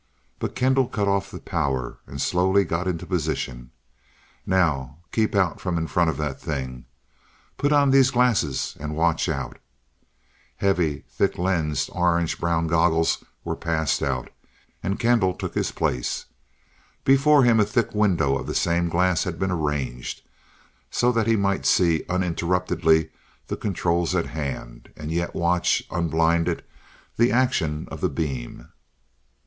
Buck Kendall cut off the power, and slowly got into position. "Now. Keep out from in front of that thing. Put on these glasses and watch out." Heavy, thick lensed orange brown goggles were passed out, and Kendall took his place. Before him, a thick window of the same glass had been arranged, so that he might see uninterruptedly the controls at hand, and yet watch unblinded, the action of the beam.